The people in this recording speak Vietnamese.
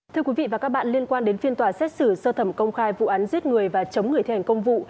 thưa quý vị và các bạn liên quan đến phiên tòa xét xử sơ thẩm công khai vụ án giết người và chống người thi hành công vụ